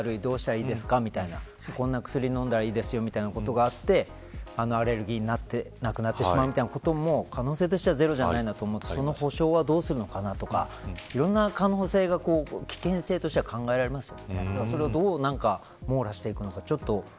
例えば、体調が悪いどうすればいいですか、みたいなこんな薬飲んだらいいですよみたいなことがあってアレルギーになって、亡くなってしまうみたいなことも可能性としてゼロじゃないと思ってその保証はどうするのかなとかいろんな可能性が考えられますよね。